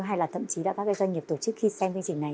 hay là thậm chí các doanh nghiệp tổ chức khi xem kinh trình này